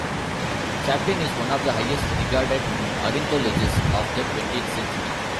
Chapin is one of the highest-regarded ornithologists of the twentieth century.